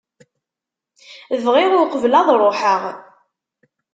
Bɣiɣ uqbel ad ruḥeɣ.